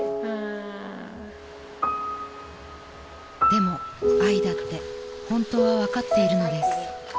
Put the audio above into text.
［でもあいだって本当は分かっているのです］